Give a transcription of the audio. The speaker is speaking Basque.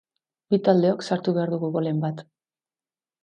Bi taldeok sartu behar dugu golen bat.